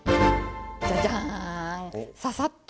じゃじゃん！